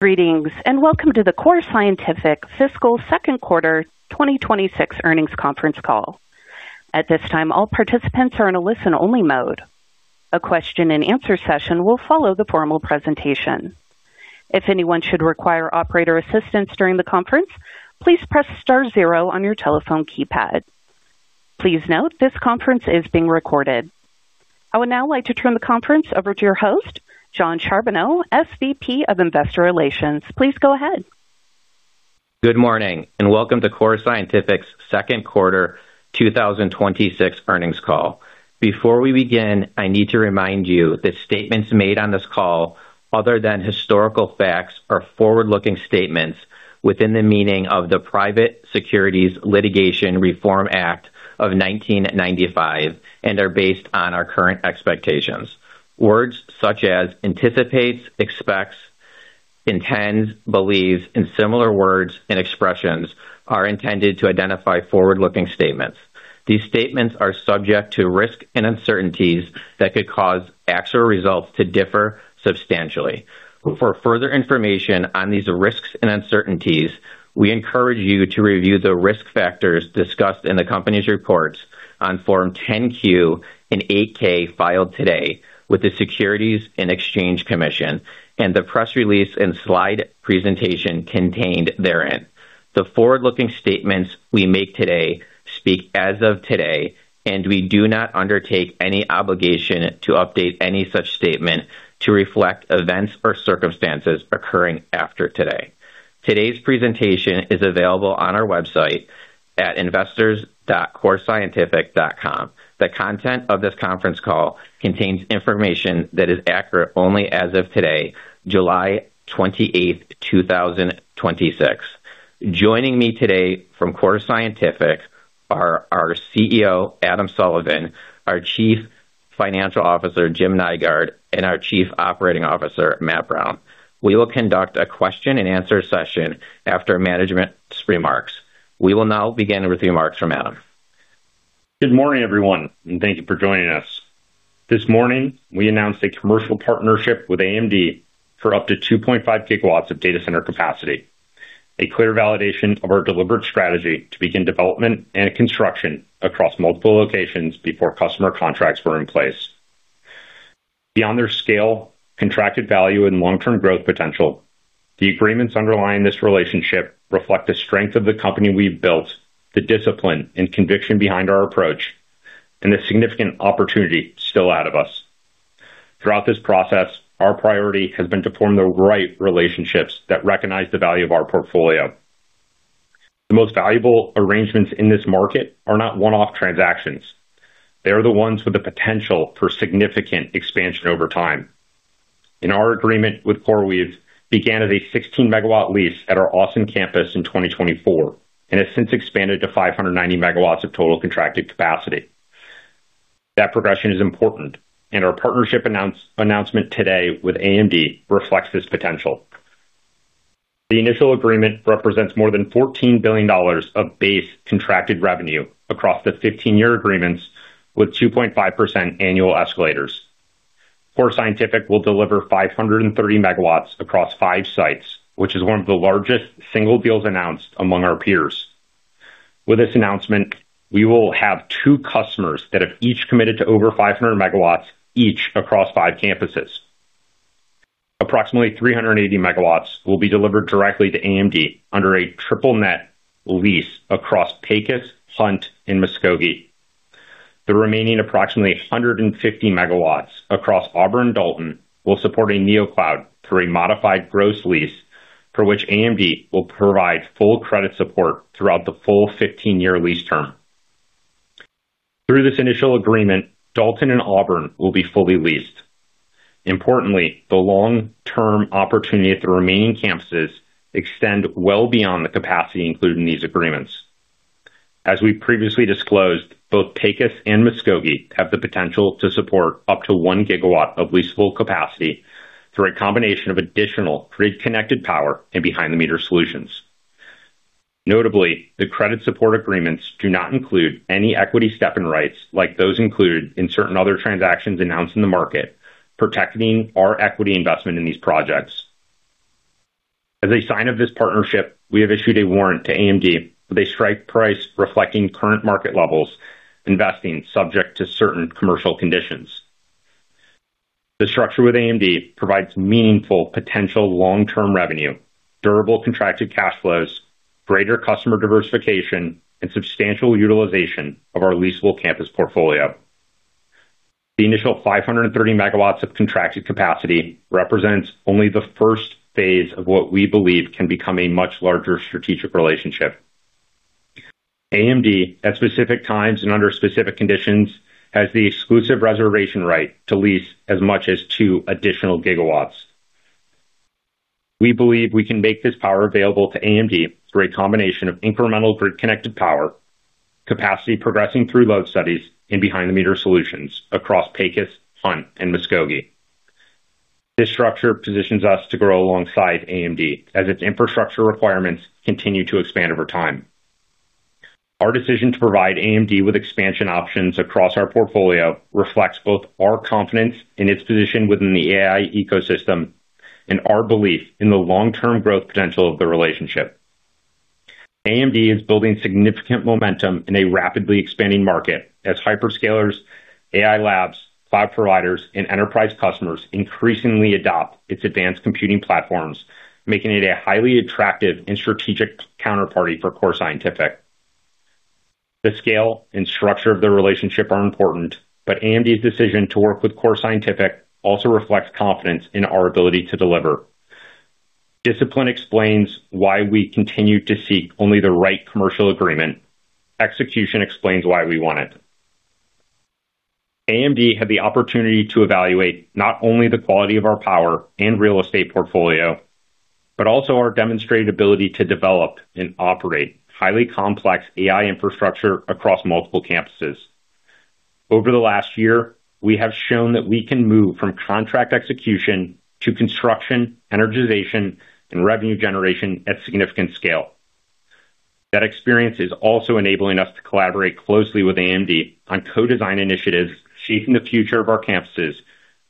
Greetings, welcome to the Core Scientific fiscal second quarter 2026 earnings conference call. At this time, all participants are in a listen-only mode. A question-and-answer session will follow the formal presentation. If anyone should require operator assistance during the conference, please press star zero on your telephone keypad. Please note this conference is being recorded. I would now like to turn the conference over to your host, Jon Charbonneau, SVP of Investor Relations. Please go ahead. Good morning, welcome to Core Scientific's second quarter 2026 earnings call. Before we begin, I need to remind you that statements made on this call, other than historical facts, are forward-looking statements within the meaning of the Private Securities Litigation Reform Act of 1995 and are based on our current expectations. Words such as anticipates, expects, intends, believes, and similar words and expressions are intended to identify forward-looking statements. These statements are subject to risks and uncertainties that could cause actual results to differ substantially. For further information on these risks and uncertainties, we encourage you to review the risk factors discussed in the company's reports on Form 10-Q and 8-K filed today with the Securities and Exchange Commission, and the press release and slide presentation contained therein. The forward-looking statements we make today speak as of today, we do not undertake any obligation to update any such statement to reflect events or circumstances occurring after today. Today's presentation is available on our website at investors.corescientific.com. The content of this conference call contains information that is accurate only as of today, July 28th, 2026. Joining me today from Core Scientific are our CEO, Adam Sullivan, our Chief Financial Officer, Jim Nygaard, and our Chief Operating Officer, Matt Brown. We will conduct a question-and-answer session after management's remarks. We will now begin with remarks from Adam. Good morning, everyone, thank you for joining us. This morning, we announced a commercial partnership with AMD for up to 2.5 GW of data center capacity, a clear validation of our deliberate strategy to begin development and construction across multiple locations before customer contracts were in place. Beyond their scale, contracted value, long-term growth potential, the agreements underlying this relationship reflect the strength of the company we've built, the discipline and conviction behind our approach, and the significant opportunity still out of us. Throughout this process, our priority has been to form the right relationships that recognize the value of our portfolio. The most valuable arrangements in this market are not one-off transactions. They are the ones with the potential for significant expansion over time. Our agreement with CoreWeave began as a 16 MW lease at our Auburn campus in 2024 and has since expanded to 590 MW of total contracted capacity. That progression is important. Our partnership announcement today with AMD reflects this potential. The initial agreement represents more than $14 billion of base contracted revenue across the 15-year agreements with 2.5% annual escalators. Core Scientific will deliver 530 MW across five sites, which is one of the largest single deals announced among our peers. With this announcement, we will have two customers that have each committed to over 500 MW each across five campuses. Approximately 380 MW will be delivered directly to AMD under a triple-net lease across Pecos, Hunt, and Muskogee. The remaining approximately 150 MW across Auburn and Dalton will support a Neocloud through a modified gross lease for which AMD will provide full credit support throughout the full 15-year lease term. Through this initial agreement, Dalton and Auburn will be fully leased. Importantly, the long-term opportunity at the remaining campuses extend well beyond the capacity included in these agreements. As we previously disclosed, both Pecos and Muskogee have the potential to support up to 1 GW of leasable capacity through a combination of additional grid-connected power and behind-the-meter solutions. Notably, the credit support agreements do not include any equity step-in rights like those included in certain other transactions announced in the market, protecting our equity investment in these projects. As a sign of this partnership, we have issued a warrant to AMD with a strike price reflecting current market levels, investing subject to certain commercial conditions. The structure with AMD provides meaningful potential long-term revenue, durable contracted cash flows, greater customer diversification, and substantial utilization of our leasable campus portfolio. The initial 530 MW of contracted capacity represents only the first phase of what we believe can become a much larger strategic relationship. AMD, at specific times and under specific conditions, has the exclusive reservation right to lease as much as two additional gigawatts. We believe we can make this power available to AMD through a combination of incremental grid-connected power, capacity progressing through load studies, and behind-the-meter solutions across Pecos, Hunt, and Muskogee. This structure positions us to grow alongside AMD as its infrastructure requirements continue to expand over time. Our decision to provide AMD with expansion options across our portfolio reflects both our confidence in its position within the AI ecosystem and our belief in the long-term growth potential of the relationship. AMD is building significant momentum in a rapidly expanding market as hyperscalers, AI labs, cloud providers, and enterprise customers increasingly adopt its advanced computing platforms, making it a highly attractive and strategic counterparty for Core Scientific. The scale and structure of the relationship are important. AMD's decision to work with Core Scientific also reflects confidence in our ability to deliver. Discipline explains why we continue to seek only the right commercial agreement. Execution explains why we want it. AMD had the opportunity to evaluate not only the quality of our power and real estate portfolio, but also our demonstrated ability to develop and operate highly complex AI infrastructure across multiple campuses. Over the last year, we have shown that we can move from contract execution to construction, energization, and revenue generation at significant scale. That experience is also enabling us to collaborate closely with AMD on co-design initiatives shaping the future of our campuses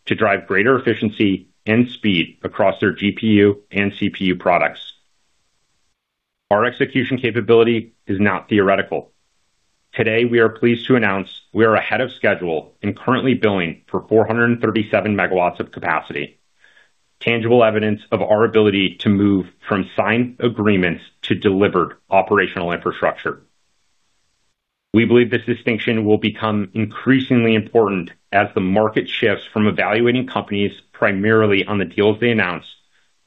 to drive greater efficiency and speed across their GPU and CPU products. Our execution capability is not theoretical. Today, we are pleased to announce we are ahead of schedule and currently billing for 437 MW of capacity, tangible evidence of our ability to move from signed agreements to delivered operational infrastructure. We believe this distinction will become increasingly important as the market shifts from evaluating companies primarily on the deals they announce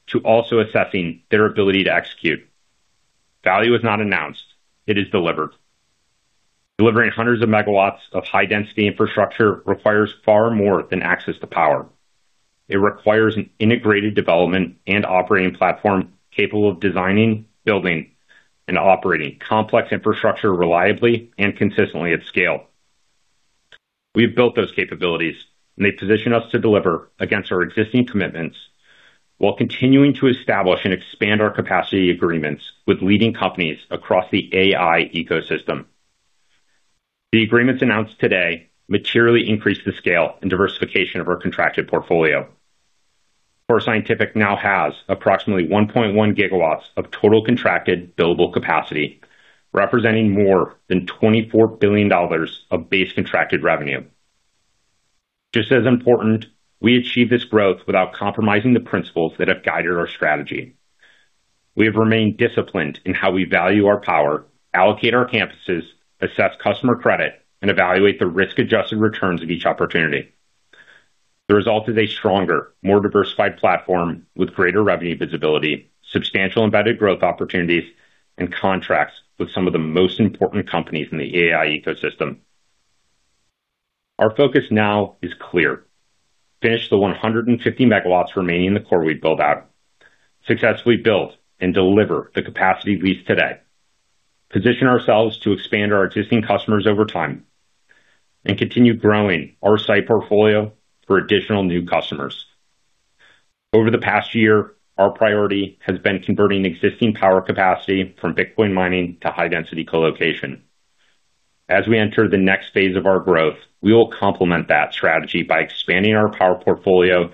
to also assessing their ability to execute. Value is not announced, it is delivered. Delivering hundreds of megawatts of high density infrastructure requires far more than access to power. It requires an integrated development and operating platform capable of designing, building, and operating complex infrastructure reliably and consistently at scale. We've built those capabilities. They position us to deliver against our existing commitments while continuing to establish and expand our capacity agreements with leading companies across the AI ecosystem. The agreements announced today materially increase the scale and diversification of our contracted portfolio. Core Scientific now has approximately 1.1 GW of total contracted billable capacity, representing more than $24 billion of base contracted revenue. Just as important, we achieve this growth without compromising the principles that have guided our strategy. We have remained disciplined in how we value our power, allocate our campuses, assess customer credit, and evaluate the risk-adjusted returns of each opportunity. The result is a stronger, more diversified platform with greater revenue visibility, substantial embedded growth opportunities, and contracts with some of the most important companies in the AI ecosystem. Our focus now is clear. Finish the 150 MW remaining in the CoreWeave build-out. Successfully build and deliver the capacity leased today. Position ourselves to expand our existing customers over time. Continue growing our site portfolio for additional new customers. Over the past year, our priority has been converting existing power capacity from Bitcoin mining to high density colocation. As we enter the next phase of our growth, we will complement that strategy by expanding our power portfolio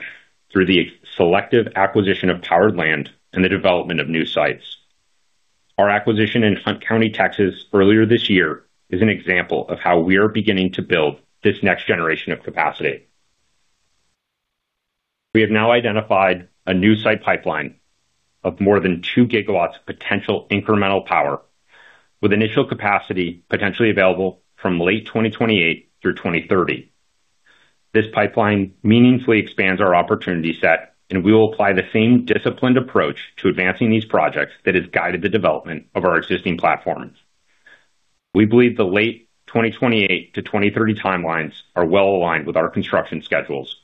through the selective acquisition of powered land and the development of new sites. Our acquisition in Hunt County, Texas, earlier this year is an example of how we are beginning to build this next generation of capacity. We have now identified a new site pipeline of more than 2 GW of potential incremental power, with initial capacity potentially available from late 2028 through 2030. This pipeline meaningfully expands our opportunity set. We will apply the same disciplined approach to advancing these projects that has guided the development of our existing platforms. We believe the late 2028-2030 timelines are well aligned with our construction schedules.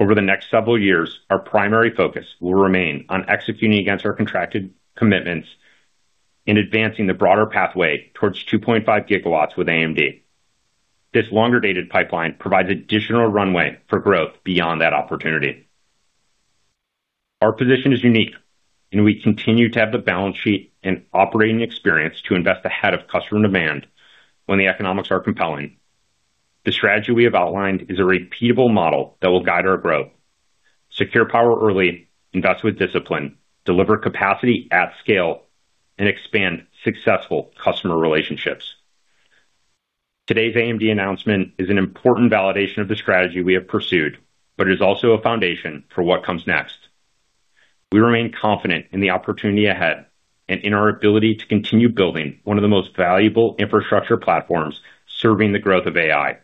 Over the next several years, our primary focus will remain on executing against our contracted commitments and advancing the broader pathway towards 2.5 GW with AMD. This longer-dated pipeline provides additional runway for growth beyond that opportunity. Our position is unique. We continue to have the balance sheet and operating experience to invest ahead of customer demand when the economics are compelling. The strategy we have outlined is a repeatable model that will guide our growth, secure power early, invest with discipline, deliver capacity at scale. Expand successful customer relationships. Today's AMD announcement is an important validation of the strategy we have pursued. It is also a foundation for what comes next. We remain confident in the opportunity ahead and in our ability to continue building one of the most valuable infrastructure platforms serving the growth of AI.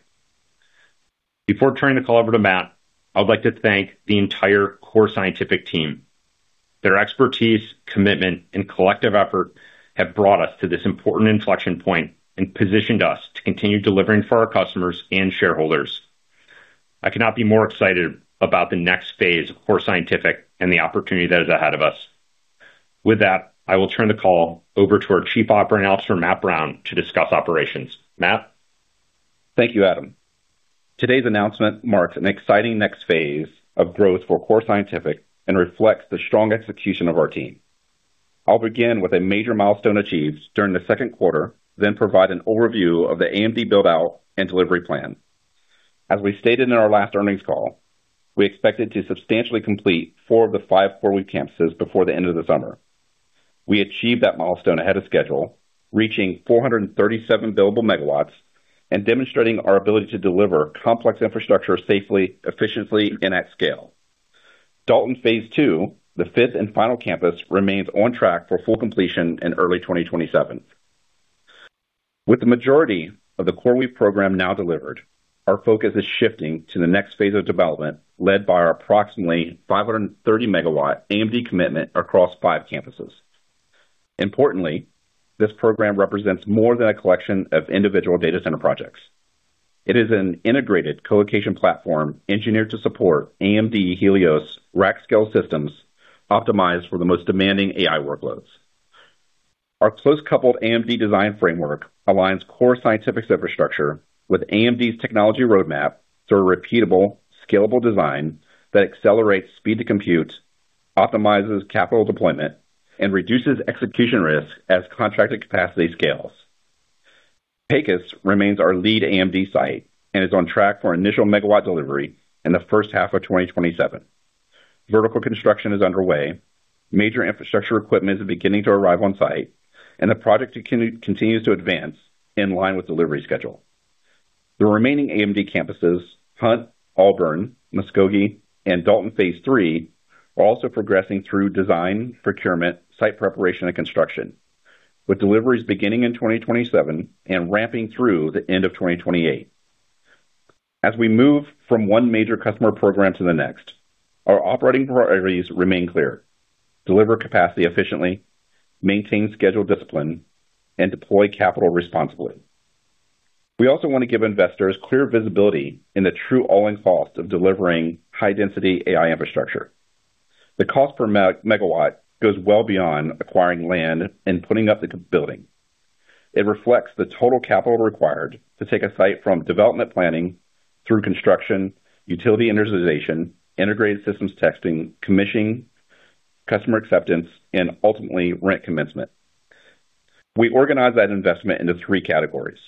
Before turning the call over to Matt, I would like to thank the entire Core Scientific team. Their expertise, commitment, and collective effort have brought us to this important inflection point and positioned us to continue delivering for our customers and shareholders. I could not be more excited about the next phase of Core Scientific and the opportunity that is ahead of us. With that, I will turn the call over to our Chief Operating Officer, Matt Brown, to discuss operations. Matt? Thank you, Adam. Today's announcement marks an exciting next phase of growth for Core Scientific and reflects the strong execution of our team. I will begin with a major milestone achieved during the second quarter, then provide an overview of the AMD build-out and delivery plan. As we stated in our last earnings call, we expected to substantially complete four of the five CoreWeave campuses before the end of the summer. We achieved that milestone ahead of schedule, reaching 437 billable megawatts and demonstrating our ability to deliver complex infrastructure safely, efficiently, and at scale. Dalton phase II, the fifth and final campus, remains on track for full completion in early 2027. With the majority of the CoreWeave program now delivered, our focus is shifting to the next phase of development, led by our approximately 530 MW AMD commitment across five campuses. Importantly, this program represents more than a collection of individual data center projects. It is an integrated colocation platform engineered to support AMD Helios rack scale systems optimized for the most demanding AI workloads. Our close-coupled AMD design framework aligns Core Scientific's infrastructure with AMD's technology roadmap through a repeatable, scalable design that accelerates speed to compute, optimizes capital deployment, and reduces execution risk as contracted capacity scales. Pecos remains our lead AMD site and is on track for initial megawatt delivery in the first half of 2027. Vertical construction is underway. Major infrastructure equipment is beginning to arrive on site, and the project continues to advance in line with delivery schedule. The remaining AMD campuses, Hunt, Auburn, Muskogee, and Dalton phase III, are also progressing through design, procurement, site preparation, and construction, with deliveries beginning in 2027 and ramping through the end of 2028. As we move from one major customer program to the next, our operating priorities remain clear: deliver capacity efficiently, maintain schedule discipline, and deploy capital responsibly. We also want to give investors clear visibility in the true all-in cost of delivering high-density AI infrastructure. The cost per megawatt goes well beyond acquiring land and putting up the building. It reflects the total capital required to take a site from development planning through construction, utility energization, integrated systems testing, commissioning, customer acceptance, and ultimately, rent commencement. We organize that investment into three categories.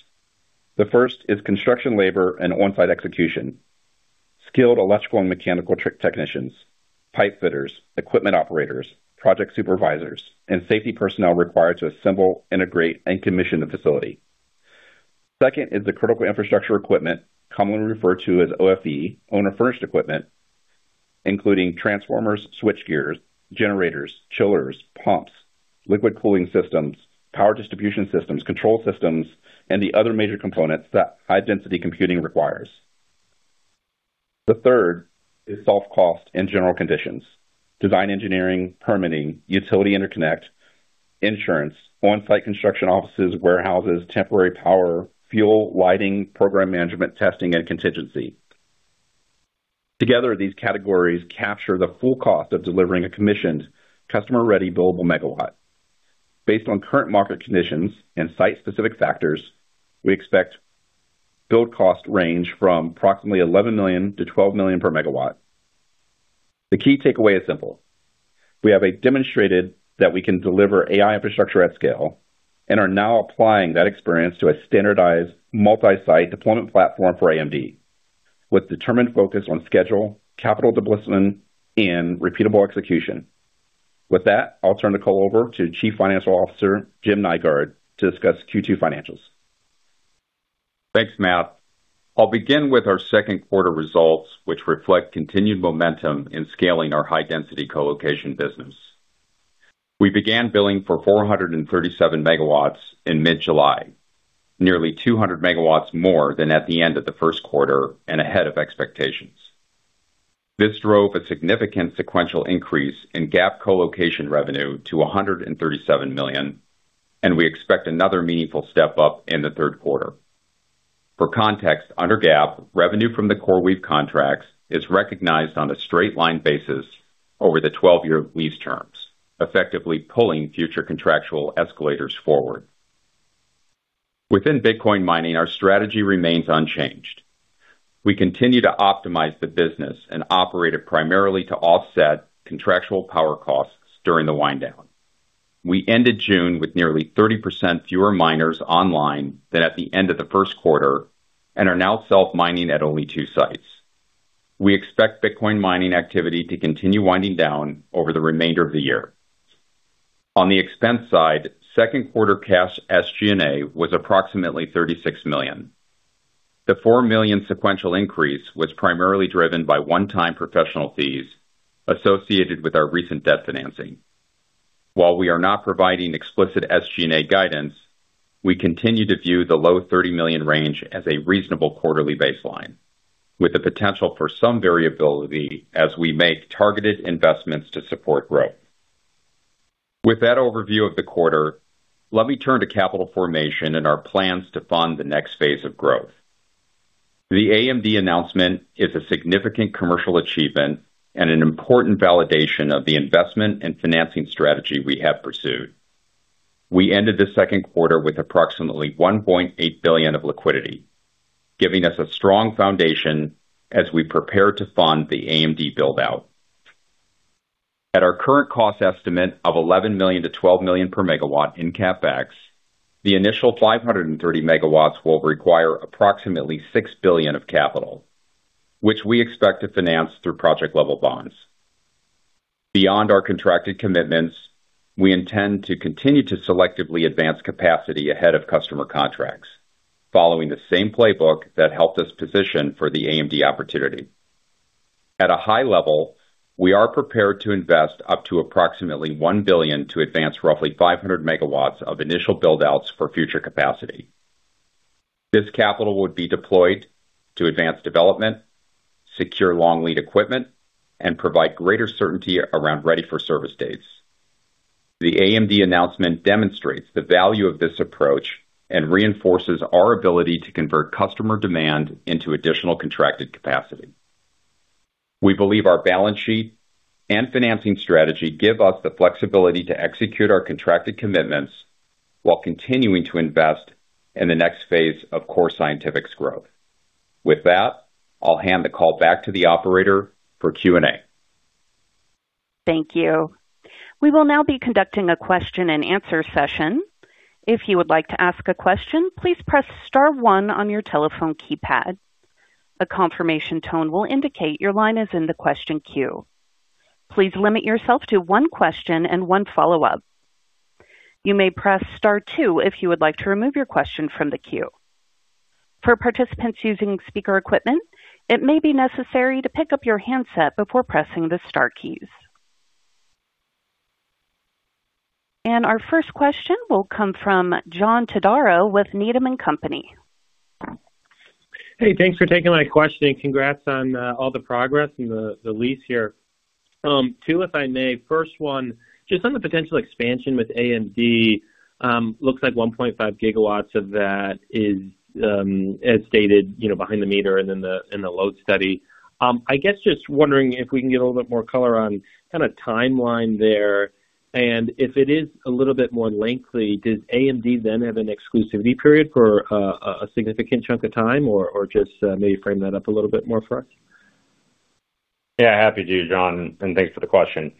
The first is construction labor and on-site execution. Skilled electrical and mechanical technicians, pipe fitters, equipment operators, project supervisors, and safety personnel required to assemble, integrate, and commission the facility. Second is the critical infrastructure equipment commonly referred to as OFE, owner furnished equipment, including transformers, switch gears, generators, chillers, pumps, liquid cooling systems, power distribution systems, control systems, and the other major components that high-density computing requires. The third is soft cost and general conditions, design engineering, permitting, utility interconnect, insurance, on-site construction offices, warehouses, temporary power, fuel, lighting, program management, testing, and contingency. Together, these categories capture the full cost of delivering a commissioned customer-ready billable megawatt. Based on current market conditions and site-specific factors, we expect build cost range from approximately $11 million-$12 million per megawatt. The key takeaway is simple. We have demonstrated that we can deliver AI infrastructure at scale and are now applying that experience to a standardized multi-site deployment platform for AMD with determined focus on schedule, capital discipline, and repeatable execution. With that, I'll turn the call over to Chief Financial Officer Jim Nygaard to discuss Q2 financials. Thanks, Matt. I'll begin with our second quarter results, which reflect continued momentum in scaling our high-density colocation business. We began billing for 437 MW in mid-July, nearly 200 MW more than at the end of the first quarter and ahead of expectations. This drove a significant sequential increase in GAAP colocation revenue to $137 million, and we expect another meaningful step-up in the third quarter. For context, under GAAP, revenue from the CoreWeave contracts is recognized on a straight line basis over the 12-year lease terms, effectively pulling future contractual escalators forward. Within Bitcoin mining, our strategy remains unchanged. We continue to optimize the business and operate it primarily to offset contractual power costs during the wind down. We ended June with nearly 30% fewer miners online than at the end of the first quarter and are now self-mining at only two sites. We expect Bitcoin mining activity to continue winding down over the remainder of the year. On the expense side, second quarter cash SG&A was approximately $36 million. The $4 million sequential increase was primarily driven by one-time professional fees associated with our recent debt financing. While we are not providing explicit SG&A guidance, we continue to view the low $30 million range as a reasonable quarterly baseline, with the potential for some variability as we make targeted investments to support growth. With that overview of the quarter, let me turn to capital formation and our plans to fund the next phase of growth. The AMD announcement is a significant commercial achievement and an important validation of the investment and financing strategy we have pursued We ended the second quarter with approximately $1.8 billion of liquidity, giving us a strong foundation as we prepare to fund the AMD build-out. At our current cost estimate of $11 million-$12 million per megawatt in CapEx, the initial 530 MW will require approximately $6 billion of capital, which we expect to finance through project-level bonds. Beyond our contracted commitments, we intend to continue to selectively advance capacity ahead of customer contracts following the same playbook that helped us position for the AMD opportunity. At a high level, we are prepared to invest up to approximately $1 billion to advance roughly 500 MW of initial build-outs for future capacity. This capital would be deployed to advance development, secure long lead equipment, and provide greater certainty around ready for service dates. The AMD announcement demonstrates the value of this approach and reinforces our ability to convert customer demand into additional contracted capacity. We believe our balance sheet and financing strategy give us the flexibility to execute our contracted commitments while continuing to invest in the next phase of Core Scientific's growth. With that, I'll hand the call back to the operator for Q&A. Thank you. We will now be conducting a question-and-answer session. If you would like to ask a question, please press star one on your telephone keypad. A confirmation tone will indicate your line is in the question queue. Please limit yourself to one question and one follow-up. You may press star two if you would like to remove your question from the queue. For participants using speaker equipment, it may be necessary to pick up your handset before pressing the star keys. Our first question will come from John Todaro with Needham & Company. Hey, thanks for taking my question and congrats on all the progress and the lease here. Two, if I may. First one, just on the potential expansion with AMD, looks like 1.5 GW of that is, as stated, behind-the-meter and in the load study. I guess just wondering if we can get a little bit more color on kind of timeline there, and if it is a little bit more lengthy, does AMD then have an exclusivity period for a significant chunk of time or just maybe frame that up a little bit more for us? Happy to, John, and thanks for the question.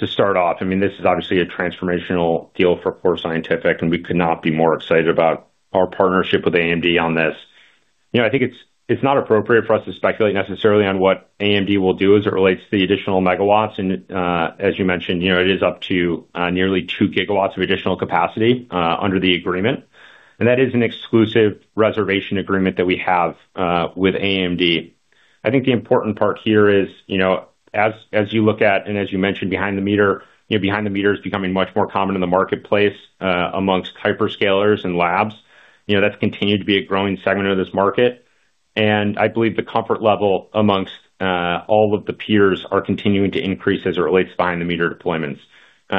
To start off, this is obviously a transformational deal for Core Scientific, and we could not be more excited about our partnership with AMD on this. It is not appropriate for us to speculate necessarily on what AMD will do as it relates to the additional megawatts. As you mentioned, it is up to nearly 2 GW of additional capacity under the agreement, and that is an exclusive reservation agreement that we have with AMD. The important part here is, as you look at and as you mentioned, behind-the-meter. Behind-the-meter is becoming much more common in the marketplace amongst hyperscalers and labs. That has continued to be a growing segment of this market, and I believe the comfort level amongst all of the peers are continuing to increase as it relates to behind-the-meter deployments.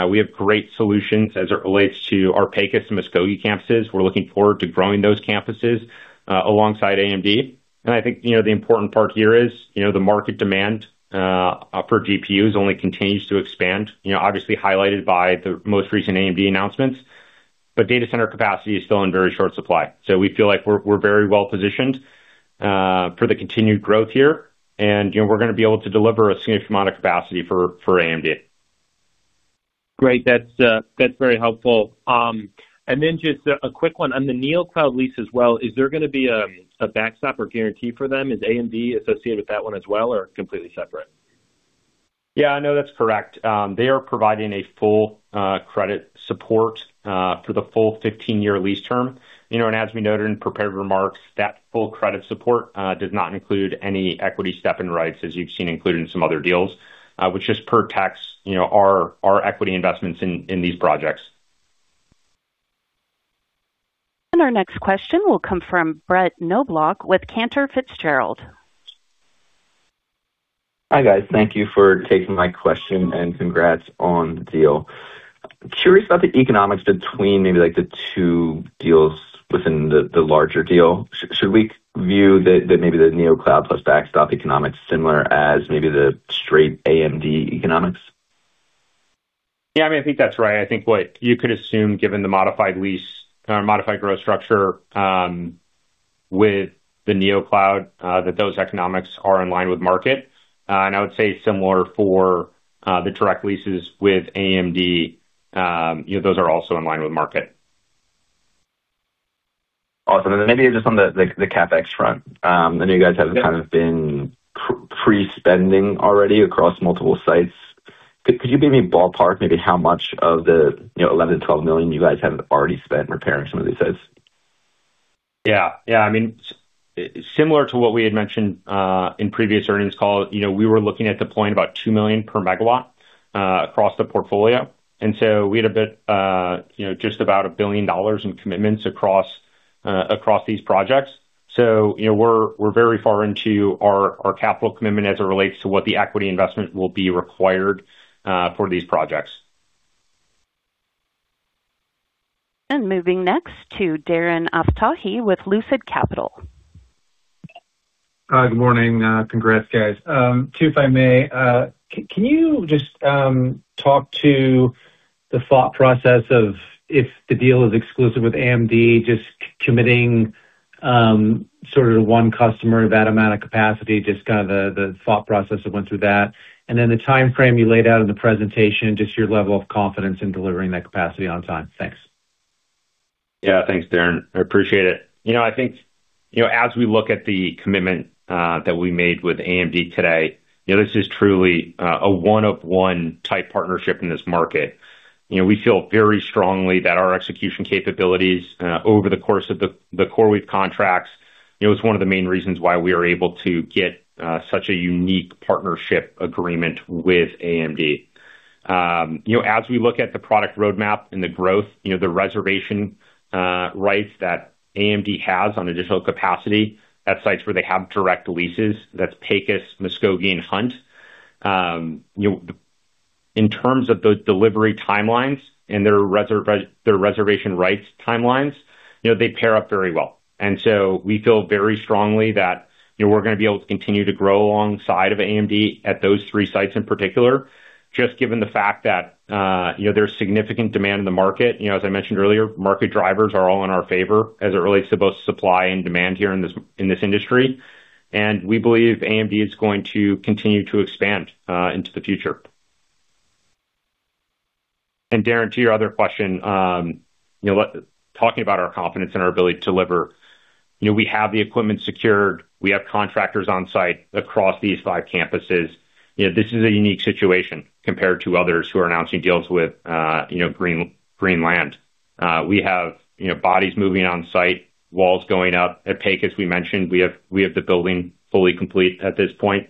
We have great solutions as it relates to our Pecos and Muskogee campuses. We are looking forward to growing those campuses alongside AMD. The important part here is the market demand for GPUs only continues to expand, obviously highlighted by the most recent AMD announcements. Data center capacity is still in very short supply. We feel like we are very well positioned for the continued growth here, and we are going to be able to deliver a significant amount of capacity for AMD. Great. That is very helpful. Just a quick one on the Neocloud lease as well. Is there going to be a backstop or guarantee for them? Is AMD associated with that one as well or completely separate? No, that is correct. They are providing a full credit support for the full 15-year lease term. As we noted in prepared remarks, that full credit support does not include any equity step-in rights as you have seen included in some other deals, which just protects our equity investments in these projects. Our next question will come from Brett Knoblauch with Cantor Fitzgerald. Hi, guys. Thank you for taking my question and congrats on the deal. Curious about the economics between maybe the two deals within the larger deal. Should we view that maybe the Neocloud plus backstop economics similar as maybe the straight AMD economics? Yeah, I think that's right. I think what you could assume, given the modified lease or modified gross lease structure with the Neocloud, that those economics are in line with market. I would say similar for the direct leases with AMD. Those are also in line with market. Awesome. Maybe just on the CapEx front. I know you guys have kind of been pre-spending already across multiple sites. Could you give me a ballpark maybe how much of the $11 million-$12 million you guys have already spent repairing some of these sites? Similar to what we had mentioned in previous earnings call, we were looking at deploying about $2 million per megawatt across the portfolio. We had just about $1 billion in commitments across these projects. We're very far into our capital commitment as it relates to what the equity investment will be required for these projects. Moving next to Darren Aftahi with Lucid Capital. Hi, good morning. Congrats, guys. Two, if I may. Can you just talk to the thought process of if the deal is exclusive with AMD, just committing sort of one customer of that amount of capacity, just kind of the thought process that went through that, and then the timeframe you laid out in the presentation, just your level of confidence in delivering that capacity on time. Thanks. Thanks, Darren. I appreciate it. As we look at the commitment that we made with AMD today, this is truly a one of one type partnership in this market. We feel very strongly that our execution capabilities over the course of the CoreWeave contracts, it was one of the main reasons why we are able to get such a unique partnership agreement with AMD. As we look at the product roadmap and the growth, the reservation rights that AMD has on additional capacity at sites where they have direct leases, that's Pecos, Muskogee, and Hunt. In terms of those delivery timelines and their reservation rights timelines, they pair up very well. We feel very strongly that we're going to be able to continue to grow alongside of AMD at those three sites in particular, just given the fact that there's significant demand in the market. As I mentioned earlier, market drivers are all in our favor as it relates to both supply and demand here in this industry. We believe AMD is going to continue to expand into the future. Darren, to your other question, talking about our confidence and our ability to deliver, we have the equipment secured, we have contractors on site across these five campuses. This is a unique situation compared to others who are announcing deals with greenfield. We have bodies moving on site, walls going up. At Pecos, we mentioned we have the building fully complete at this point.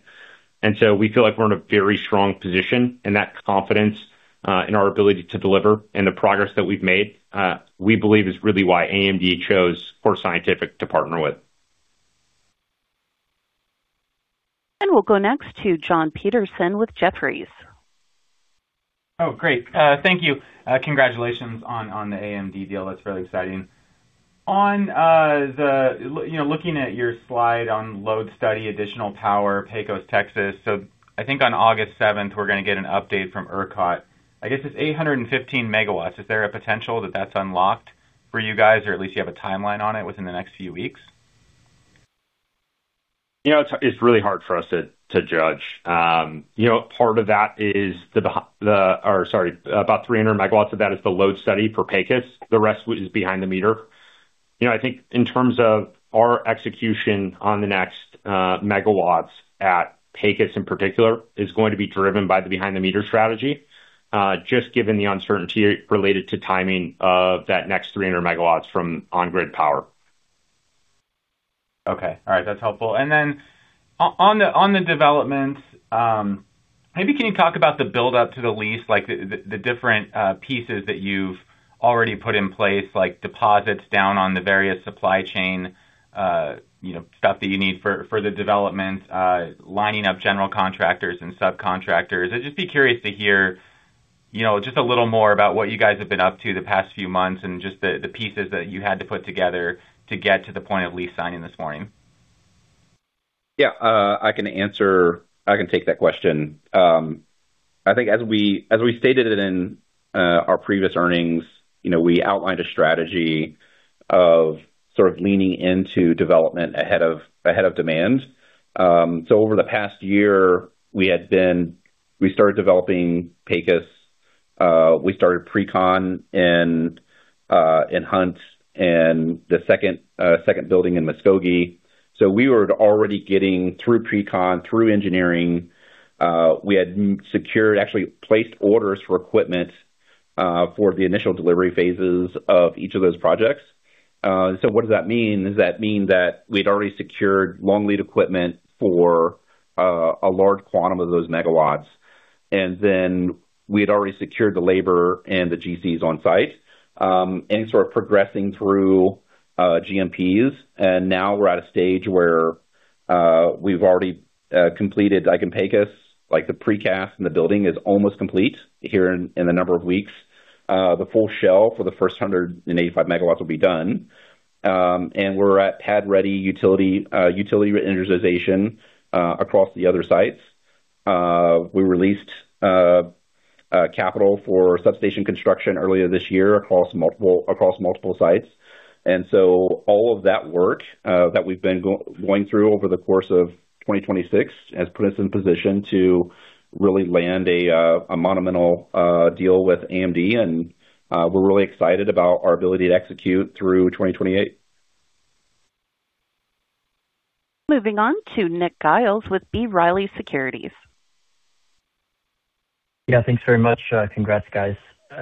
We feel like we're in a very strong position, and that confidence in our ability to deliver and the progress that we've made, we believe is really why AMD chose Core Scientific to partner with. We'll go next to Jon Petersen with Jefferies. Oh, great. Thank you. Congratulations on the AMD deal. That's really exciting. Looking at your slide on load study, additional power, Pecos, Texas. I think on August seventh, we're going to get an update from ERCOT. I guess it's 815 MW. Is there a potential that that's unlocked for you guys, or at least you have a timeline on it within the next few weeks? It's really hard for us to judge. Part of that is about 300 MW of that is the load study for Pecos. The rest is behind-the-meter. I think in terms of our execution on the next megawatts at Pecos in particular, is going to be driven by the behind-the-meter strategy, just given the uncertainty related to timing of that next 300 MW from on-grid power. Okay. All right. That's helpful. Then on the developments, maybe can you talk about the build-up to the lease, like the different pieces that you've already put in place, like deposits down on the various supply chain stuff that you need for the development, lining up General Contractors and subcontractors? I'd just be curious to hear just a little more about what you guys have been up to the past few months and just the pieces that you had to put together to get to the point of lease signing this morning. Yeah, I can take that question. I think as we stated it in our previous earnings, we outlined a strategy of sort of leaning into development ahead of demand. Over the past year, we started developing Pecos, we started pre-construction in Hunt and the second building in Muskogee. We were already getting through pre-construction, through engineering. We had secured, actually placed orders for equipment for the initial delivery phases of each of those projects. What does that mean? Does that mean that we'd already secured long lead equipment for a large quantum of those megawatts, and then we had already secured the labor and the GCs on site, and sort of progressing through GMPs, and now we're at a stage where we've already completed, like in Pecos, the precast in the building is almost complete here in a number of weeks. The full shell for the first 185 MW will be done. We're at pad-ready utility energization across the other sites. We released capital for substation construction earlier this year across multiple sites. All of that work that we've been going through over the course of 2026 has put us in position to really land a monumental deal with AMD, and we're really excited about our ability to execute through 2028. Moving on to Nick Giles with B. Riley Securities. Yeah. Thanks very much. Congrats, guys.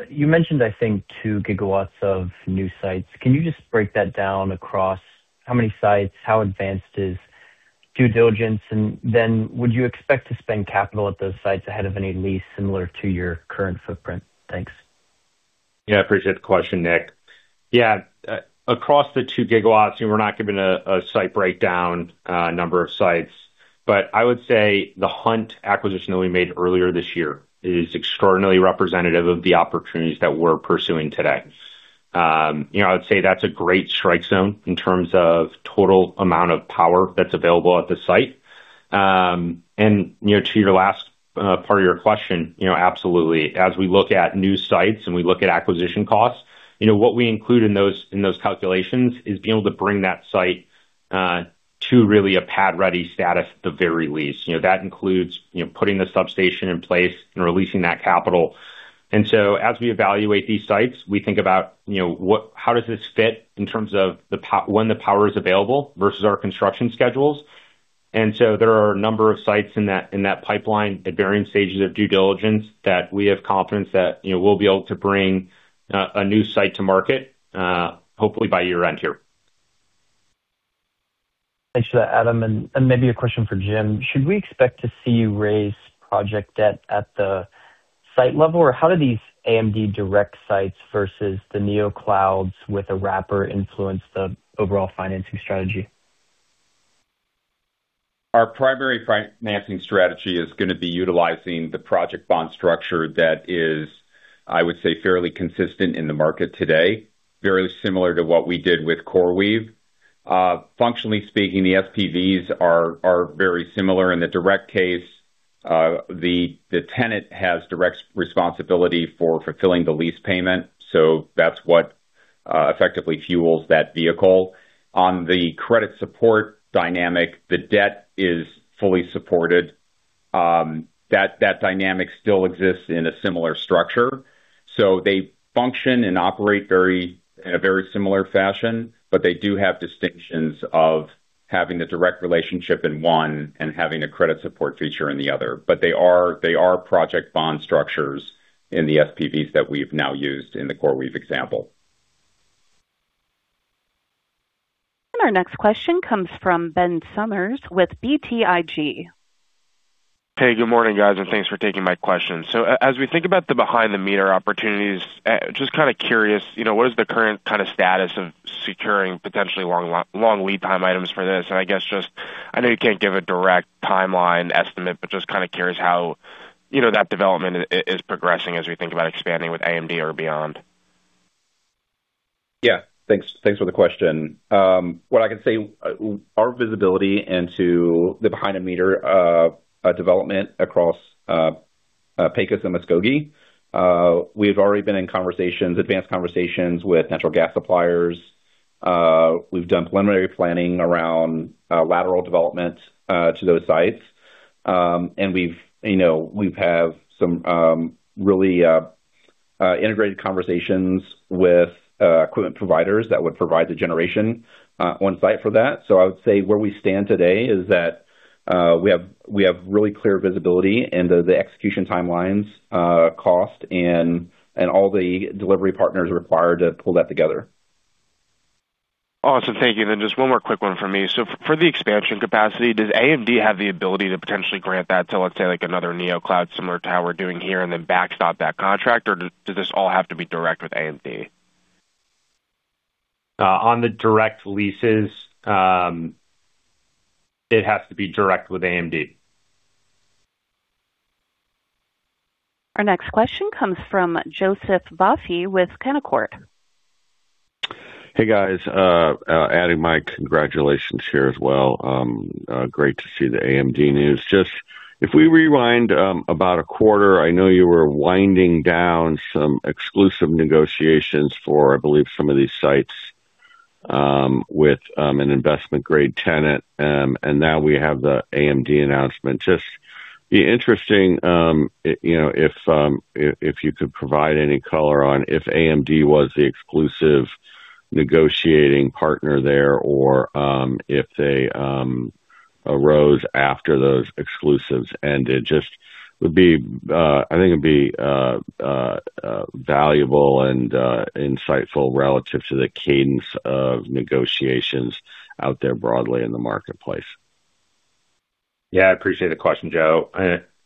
You mentioned, I think, 2 GW of new sites. Can you just break that down across how many sites, how advanced is due diligence, and then would you expect to spend capital at those sites ahead of any lease similar to your current footprint? Thanks. Yeah, I appreciate the question, Nick. Yeah. Across the 2 GW, we're not giving a site breakdown, number of sites. I would say the Hunt acquisition that we made earlier this year is extraordinarily representative of the opportunities that we're pursuing today. I would say that's a great strike zone in terms of total amount of power that's available at the site. To your last part of your question, absolutely. As we look at new sites and we look at acquisition costs, what we include in those calculations is being able to bring that site to really a pad-ready status at the very least. That includes putting the substation in place and releasing that capital. As we evaluate these sites, we think about how does this fit in terms of when the power is available versus our construction schedules. There are a number of sites in that pipeline at varying stages of due diligence that we have confidence that we'll be able to bring a new site to market, hopefully by year-end here. Thanks for that, Adam. Maybe a question for Jim. Should we expect to see you raise project debt at the site level? How do these AMD direct sites versus the Neoclouds with a wrapper influence the overall financing strategy? Our primary financing strategy is going to be utilizing the project bond structure that is, I would say, fairly consistent in the market today, very similar to what we did with CoreWeave. Functionally speaking, the SPVs are very similar. In the direct case, the tenant has direct responsibility for fulfilling the lease payment, that's what effectively fuels that vehicle. On the credit support dynamic, the debt is fully supported. That dynamic still exists in a similar structure. They function and operate in a very similar fashion, but they do have distinctions of having the direct relationship in one and having a credit support feature in the other. They are project bond structures in the SPVs that we've now used in the CoreWeave example. Our next question comes from Ben Sommers with BTIG. Hey, good morning, guys, thanks for taking my question. As we think about the behind-the-meter opportunities, just kind of curious, what is the current kind of status of securing potentially long lead time items for this? I guess just, I know you can't give a direct timeline estimate, but just kind of curious how that development is progressing as we think about expanding with AMD or beyond. Yeah. Thanks for the question. What I can say, our visibility into the behind-the-meter development across Pecos and Muskogee, we've already been in advanced conversations with natural gas suppliers. We've done preliminary planning around lateral development to those sites. We've had some really integrated conversations with equipment providers that would provide the generation on site for that. I would say where we stand today is that we have really clear visibility into the execution timelines, cost, and all the delivery partners required to pull that together. Awesome. Thank you. Just one more quick one from me. For the expansion capacity, does AMD have the ability to potentially grant that to, let's say, like another Neocloud similar to how we're doing here and then backstop that contract? Does this all have to be direct with AMD? On the direct leases, it has to be direct with AMD. Our next question comes from Joseph Vafi with Canaccord. Hey, guys. Adding my congratulations here as well. Great to see the AMD news. If we rewind about a quarter, I know you were winding down some exclusive negotiations for, I believe, some of these sites, with an investment-grade tenant. Now we have the AMD announcement. Be interesting if you could provide any color on if AMD was the exclusive negotiating partner there or if they arose after those exclusives ended. I think it'd be valuable and insightful relative to the cadence of negotiations out there broadly in the marketplace. Yeah. I appreciate the question, Joe.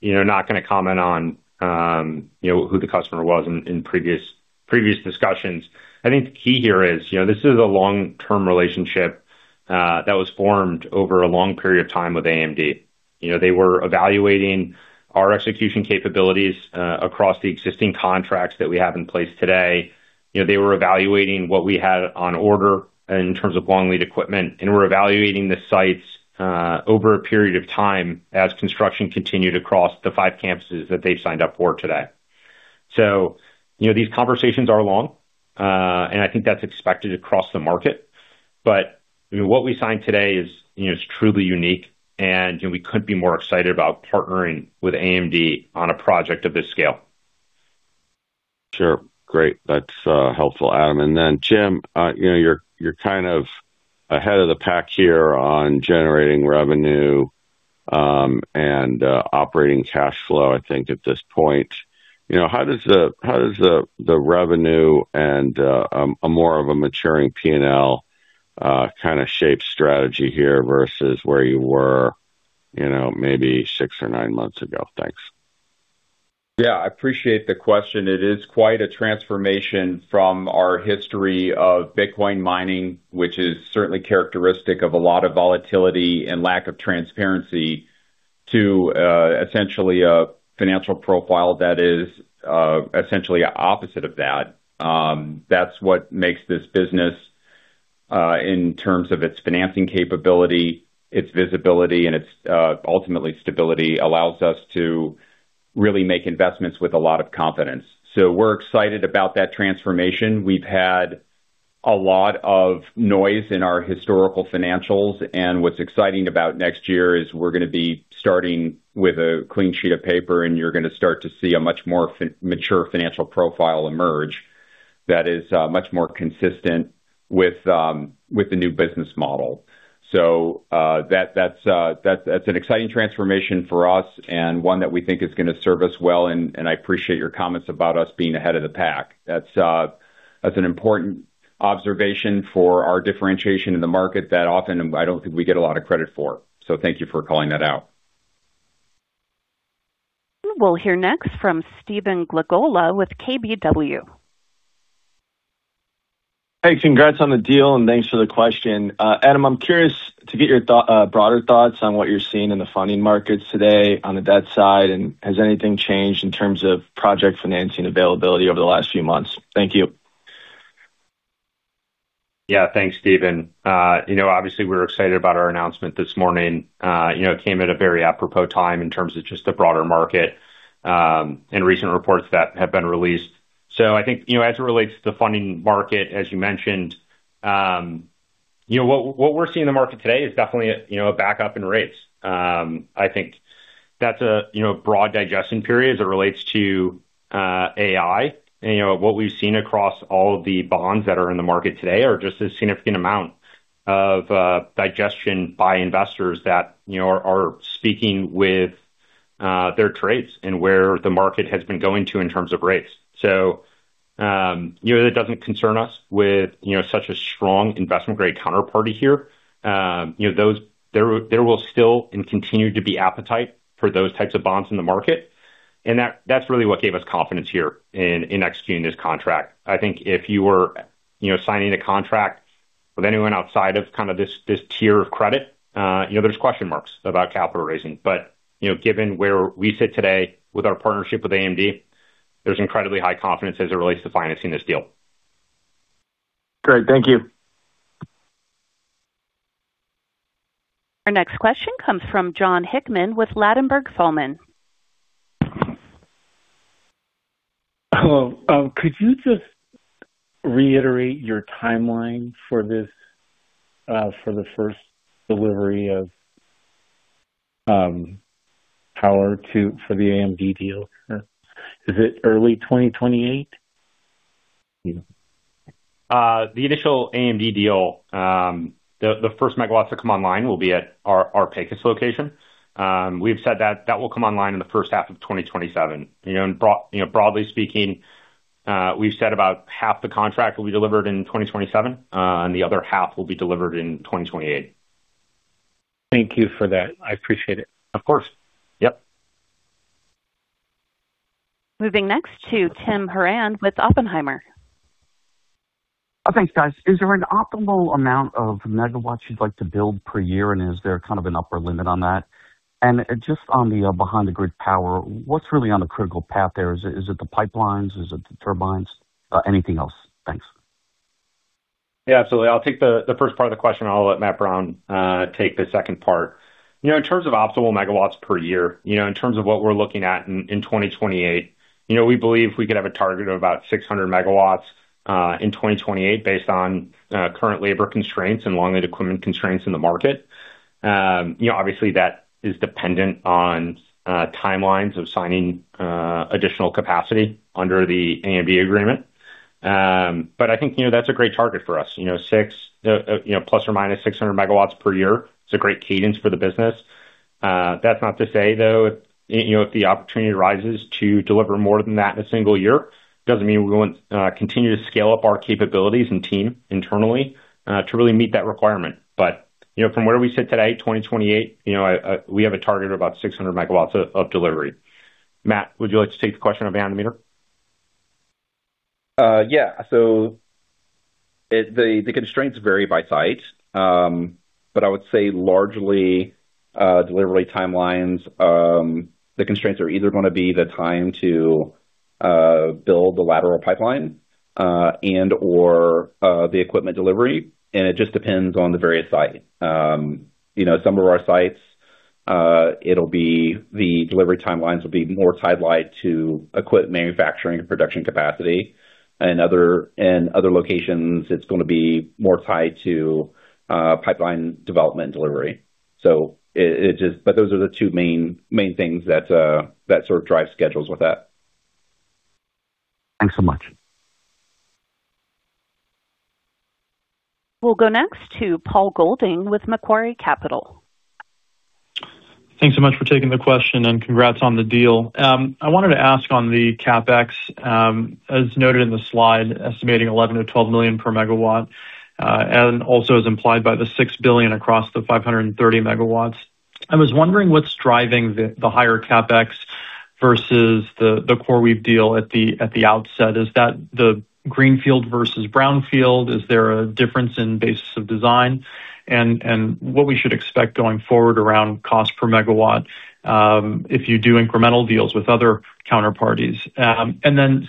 Not going to comment on who the customer was in previous discussions. I think the key here is, this is a long-term relationship that was formed over a long period of time with AMD. They were evaluating our execution capabilities across the existing contracts that we have in place today. They were evaluating what we had on order in terms of long lead equipment, and we're evaluating the sites over a period of time as construction continued across the five campuses that they've signed up for today. These conversations are long, and I think that's expected across the market. What we signed today is truly unique and we couldn't be more excited about partnering with AMD on a project of this scale. Sure. Great. That's helpful, Adam. Jim, you're kind of ahead of the pack here on generating revenue, and operating cash flow, I think, at this point. How does the revenue and more of a maturing P&L kind of shape strategy here versus where you were maybe six or nine months ago? Thanks. Yeah. I appreciate the question. It is quite a transformation from our history of Bitcoin mining, which is certainly characteristic of a lot of volatility and lack of transparency to essentially a financial profile that is essentially opposite of that. That's what makes this business, in terms of its financing capability, its visibility, and its ultimately stability, allows us to really make investments with a lot of confidence. We're excited about that transformation. We've had a lot of noise in our historical financials, and what's exciting about next year is we're going to be starting with a clean sheet of paper, and you're going to start to see a much more mature financial profile emerge that is much more consistent with the new business model. That's an exciting transformation for us and one that we think is going to serve us well. I appreciate your comments about us being ahead of the pack. That's an important observation for our differentiation in the market that often I don't think we get a lot of credit for. Thank you for calling that out. We'll hear next from Stephen Glagola with KBW. Hey, congrats on the deal. Thanks for the question. Adam, I'm curious to get your broader thoughts on what you're seeing in the funding markets today on the debt side. Has anything changed in terms of project financing availability over the last few months? Thank you. Thanks, Stephen. Obviously, we're excited about our announcement this morning. It came at a very apropos time in terms of just the broader market, and recent reports that have been released. I think, as it relates to funding market, as you mentioned, what we're seeing in the market today is definitely a backup in rates. I think that's a broad digestion period as it relates to AI. What we've seen across all of the bonds that are in the market today are just a significant amount of digestion by investors that are speaking with their trades and where the market has been going to in terms of rates. It doesn't concern us with such a strong investment-grade counterparty here. There will still and continue to be appetite for those types of bonds in the market. That's really what gave us confidence here in executing this contract. I think if you were signing a contract with anyone outside of this tier of credit, there's question marks about capital raising. Given where we sit today with our partnership with AMD, there's incredibly high confidence as it relates to financing this deal. Great. Thank you. Our next question comes from Jon Hickman with Ladenburg Thalmann. Hello. Could you just reiterate your timeline for the first delivery of power for the AMD deal? Is it early 2028? The initial AMD deal, the first megawatts to come online will be at our Pecos location. We've said that that will come online in the first half of 2027. Broadly speaking, we've said about half the contract will be delivered in 2027, and the other half will be delivered in 2028. Thank you for that. I appreciate it. Of course. Yep. Moving next to Tim Horan with Oppenheimer. Thanks, guys. Is there an optimal amount of megawatts you'd like to build per year, and is there kind of an upper limit on that? Just on the behind-the-meter power, what's really on the critical path there? Is it the pipelines? Is it the turbines? Anything else? Thanks. Yeah, absolutely. I'll take the first part of the question, and I'll let Matt Brown take the second part. In terms of optimal megawatts per year, in terms of what we're looking at in 2028, we believe we could have a target of about 600 MW in 2028 based on current labor constraints and long-lead equipment constraints in the market. Obviously, that is dependent on timelines of signing additional capacity under the AMD agreement. I think that's a great target for us. ±600 MW per year is a great cadence for the business. That's not to say, though, if the opportunity arises to deliver more than that in a single year, doesn't mean we won't continue to scale up our capabilities and team internally, to really meet that requirement. From where we sit today, 2028, we have a target of about 600 MW of delivery. Matt, would you like to take the question? Yeah. The constraints vary by site. I would say largely, delivery timelines, the constraints are either going to be the time to build the lateral pipeline, and/or the equipment delivery, and it just depends on the various sites. Some of our sites, the delivery timelines will be more tied to equip manufacturing and production capacity. In other locations, it's going to be more tied to pipeline development and delivery. Those are the two main things that sort of drive schedules with that. Thanks so much. We'll go next to Paul Golding with Macquarie Capital. Thanks so much for taking the question. Congrats on the deal. I wanted to ask on the CapEx, as noted in the slide, estimating $11 million-$12 million per megawatt, also as implied by the $6 billion across the 530 MW. I was wondering what's driving the higher CapEx versus the CoreWeave deal at the outset. Is that the greenfield versus brownfield? Is there a difference in basis of design? What we should expect going forward around cost per megawatt, if you do incremental deals with other counterparties.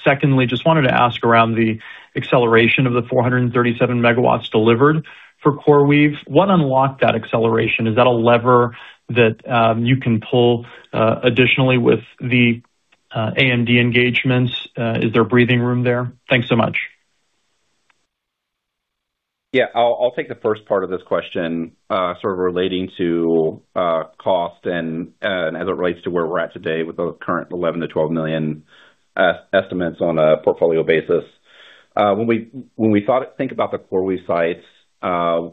Secondly, just wanted to ask around the acceleration of the 437 MW delivered for CoreWeave. What unlocked that acceleration? Is that a lever that you can pull additionally with the AMD engagements? Is there breathing room there? Thanks so much. I'll take the first part of this question, sort of relating to cost and as it relates to where we're at today with those current $11 million-$12 million estimates on a portfolio basis. When we think about the CoreWeave sites,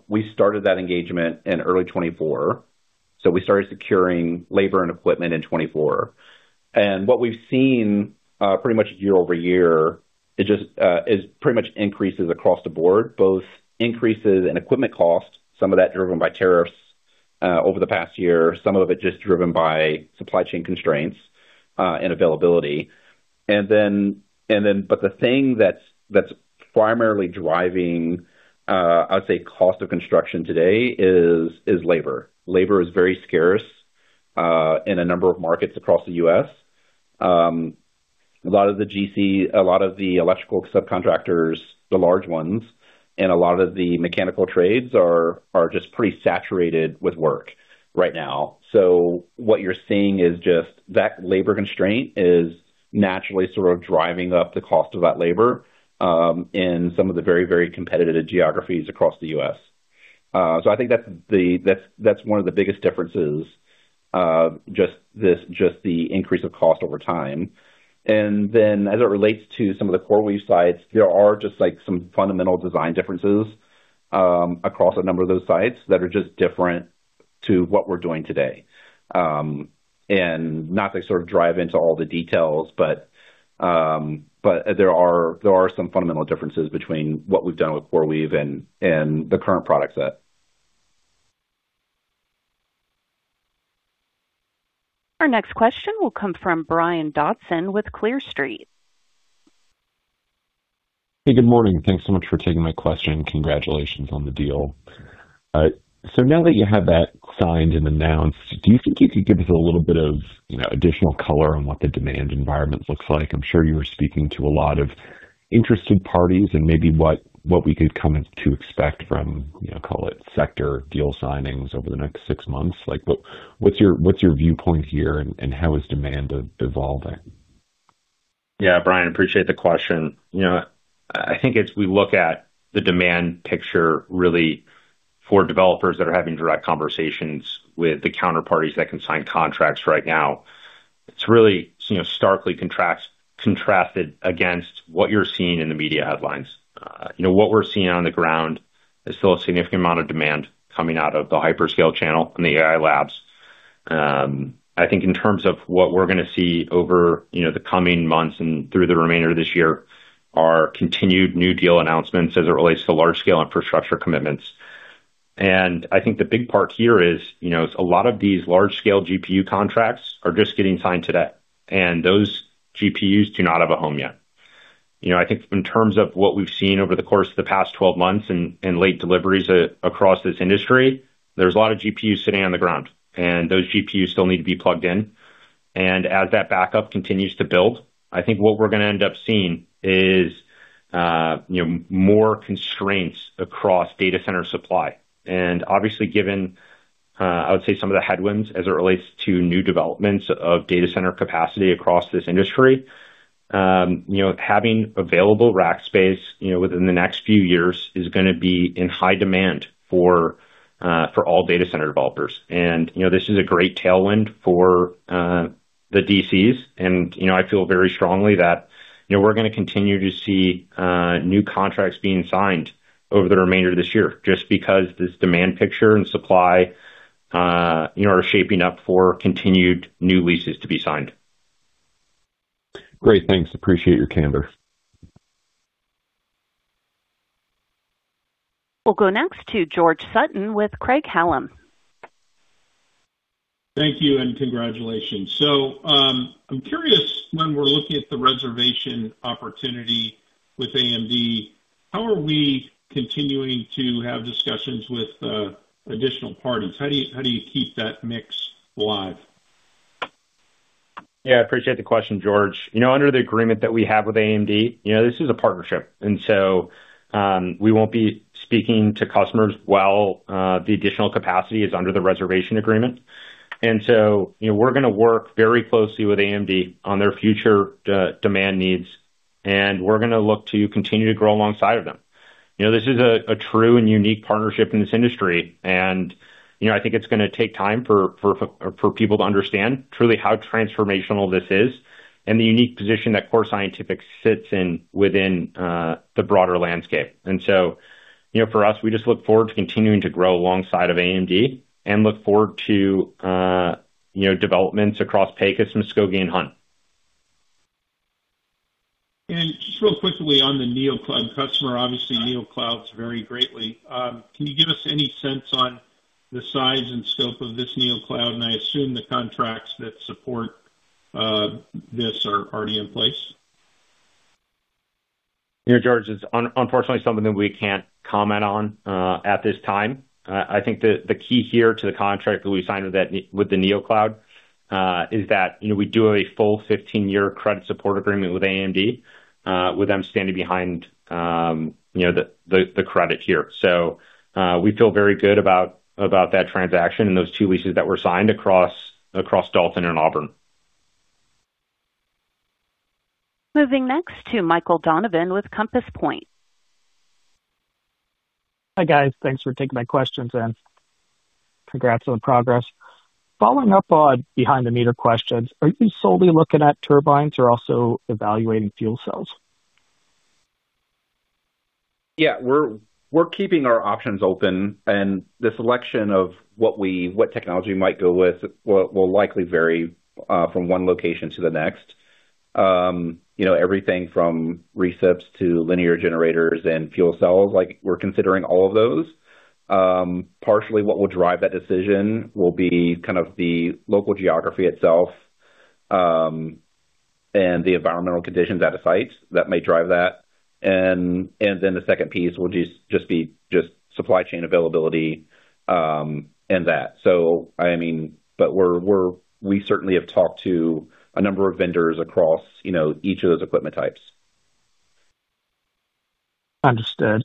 we started that engagement in early 2024, so we started securing labor and equipment in 2024. What we've seen pretty much year-over-year is pretty much increases across the board, both increases in equipment cost, some of that driven by tariffs over the past year, some of it just driven by supply chain constraints and availability. The thing that's primarily driving, I would say, cost of construction today is labor. Labor is very scarce in a number of markets across the U.S. A lot of the GC, a lot of the electrical subcontractors, the large ones, and a lot of the mechanical trades are just pretty saturated with work right now. What you're seeing is just that labor constraint is naturally sort of driving up the cost of that labor in some of the very, very competitive geographies across the U.S. I think that's one of the biggest differences of just the increase of cost over time. As it relates to some of the CoreWeave sites, there are just some fundamental design differences across a number of those sites that are just different to what we're doing today. Not to sort of drive into all the details, but there are some fundamental differences between what we've done with CoreWeave and the current product set. Our next question will come from Brian Dobson with Clear Street. Hey, good morning. Thanks so much for taking my question. Congratulations on the deal. Now that you have that signed and announced, do you think you could give us a little bit of additional color on what the demand environment looks like? I'm sure you were speaking to a lot of interested parties and maybe what we could come to expect from, call it sector deal signings over the next 6 months. What's your viewpoint here and how is demand evolving? Yeah, Brian, appreciate the question. I think as we look at the demand picture really for developers that are having direct conversations with the counterparties that can sign contracts right now, it's really starkly contrasted against what you're seeing in the media headlines. What we're seeing on the ground is still a significant amount of demand coming out of the hyperscale channel and the AI labs. I think in terms of what we're going to see over the coming months and through the remainder of this year are continued new deal announcements as it relates to large scale infrastructure commitments. I think the big part here is a lot of these large scale GPU contracts are just getting signed today, and those GPUs do not have a home yet. I think in terms of what we've seen over the course of the past 12 months and late deliveries across this industry, there's a lot of GPUs sitting on the ground, and those GPUs still need to be plugged in. As that backup continues to build, I think what we're going to end up seeing is more constraints across data center supply. Obviously given, I would say some of the headwinds as it relates to new developments of data center capacity across this industry, having available rack space within the next few years is going to be in high demand for all data center developers. This is a great tailwind for the DCs. I feel very strongly that we're going to continue to see new contracts being signed over the remainder of this year just because this demand picture and supply are shaping up for continued new leases to be signed. Great, thanks. Appreciate your color. We'll go next to George Sutton with Craig-Hallum. Thank you, and congratulations. I'm curious, when we're looking at the reservation opportunity with AMD, how are we continuing to have discussions with additional parties? How do you keep that mix live? Yeah, I appreciate the question, George. Under the agreement that we have with AMD, this is a partnership, we won't be speaking to customers while the additional capacity is under the reservation agreement. We're going to work very closely with AMD on their future demand needs, we're going to look to continue to grow alongside of them. This is a true and unique partnership in this industry, I think it's going to take time for people to understand truly how transformational this is and the unique position that Core Scientific sits in within the broader landscape. For us, we just look forward to continuing to grow alongside of AMD and look forward to developments across Pecos, Muskogee, and Hunt. Just real quickly on the Neocloud customer, obviously Neoclouds vary greatly. Can you give us any sense on the size and scope of this Neocloud? I assume the contracts that support this are already in place. Yeah, George, it's unfortunately something that we can't comment on at this time. I think the key here to the contract that we signed with the Neocloud, is that we do a full 15-year credit support agreement with AMD, with them standing behind the credit here. We feel very good about that transaction and those two leases that were signed across Dalton and Auburn. Moving next to Michael Donovan with Compass Point. Hi, guys. Thanks for taking my questions in. Congrats on progress. Following up on behind-the-meter questions, are you solely looking at turbines or also evaluating fuel cells? Yeah, we're keeping our options open. The selection of what technology we might go with will likely vary from one location to the next. Everything from [RICEPs] to linear generators and fuel cells, we're considering all of those. Partially what will drive that decision will be kind of the local geography itself, and the environmental conditions at a site that may drive that. The second piece will just be supply chain availability, and that. We certainly have talked to a number of vendors across each of those equipment types. Understood.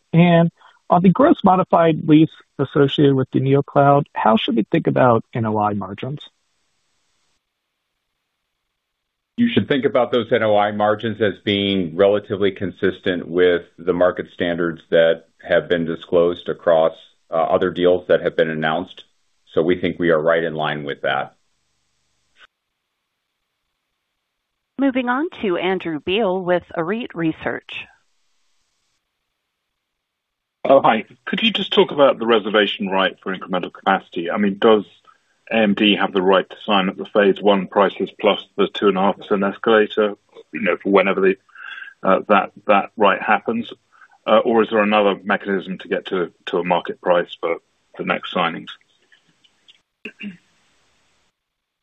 On the modified gross lease associated with the Neocloud, how should we think about NOI margins? You should think about those NOI margins as being relatively consistent with the market standards that have been disclosed across other deals that have been announced. We think we are right in line with that. Moving on to Andrew Beale with Arete Research. Oh, hi. Could you just talk about the reservation right for incremental capacity? Does AMD have the right to sign up the phase one prices plus the 2.5% in escalator for whenever that right happens? Or is there another mechanism to get to a market price for the next signings?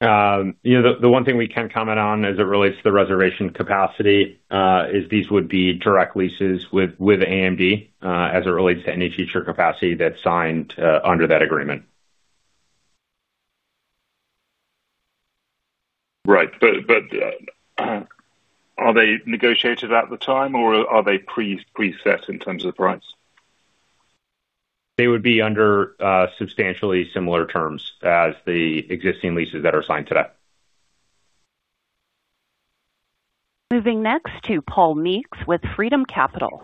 The one thing we can comment on as it relates to the reservation capacity, is these would be direct leases with AMD as it relates to any future capacity that's signed under that agreement. Right. Are they negotiated at the time or are they preset in terms of price? They would be under substantially similar terms as the existing leases that are signed today. Moving next to Paul Meeks with Freedom Capital.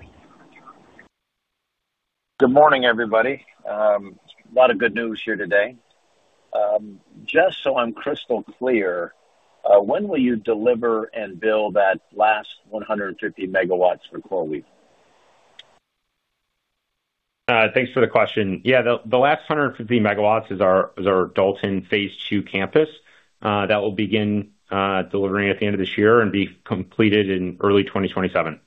Good morning, everybody. A lot of good news here today. Just so I'm crystal clear, when will you deliver and bill that last 150 MW for CoreWeave? Thanks for the question. The last 150 MW is our Dalton phase II campus. That will begin delivering at the end of this year and be completed in early 2027.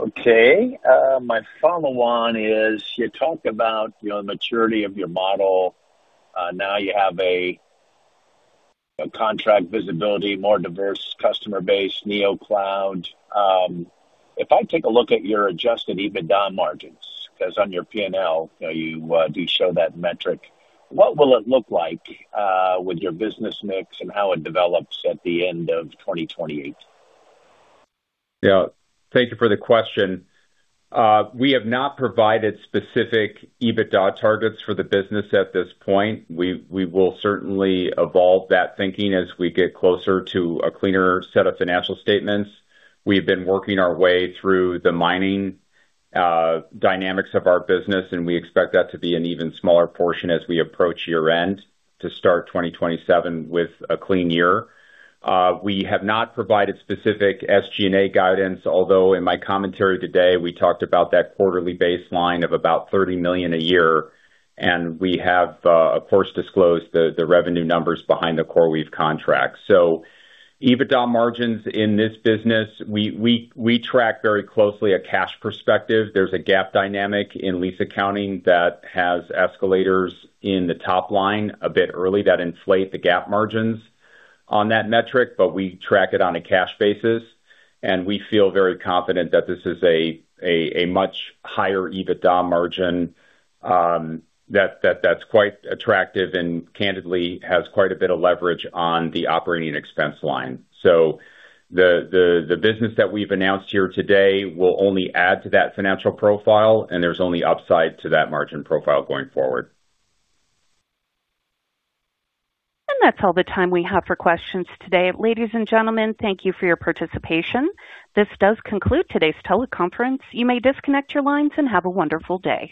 Okay. My follow-on is, you talk about the maturity of your model. Now you have a contract visibility, more diverse customer base, Neocloud. If I take a look at your adjusted EBITDA margins, because on your P&L, you do show that metric, what will it look like with your business mix and how it develops at the end of 2028? Thank you for the question. We have not provided specific EBITDA targets for the business at this point. We will certainly evolve that thinking as we get closer to a cleaner set of financial statements. We have been working our way through the mining dynamics of our business, and we expect that to be an even smaller portion as we approach year-end to start 2027 with a clean year. We have not provided specific SG&A guidance, although in my commentary today, we talked about that quarterly baseline of about $30 million a year, and we have, of course, disclosed the revenue numbers behind the CoreWeave contract. EBITDA margins in this business, we track very closely a cash perspective. There's a GAAP dynamic in lease accounting that has escalators in the top line a bit early that inflate the GAAP margins on that metric, but we track it on a cash basis, and we feel very confident that this is a much higher EBITDA margin that's quite attractive and candidly has quite a bit of leverage on the operating expense line. The business that we've announced here today will only add to that financial profile and there's only upside to that margin profile going forward. That's all the time we have for questions today. Ladies and gentlemen, thank you for your participation. This does conclude today's teleconference. You may disconnect your lines and have a wonderful day.